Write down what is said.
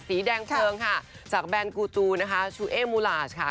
สีแดงเพลิงค่ะจากแบรนดกูตูนะคะชูเอมูลาสค่ะ